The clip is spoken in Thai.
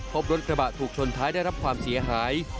พบรถกระบะถูกชนท้ายได้รับความเสียหาย